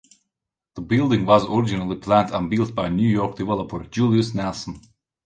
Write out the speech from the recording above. The building was originally planned and built by New York developer, Julius Nelson.